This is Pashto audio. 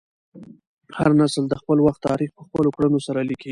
هر نسل د خپل وخت تاریخ په خپلو کړنو سره لیکي.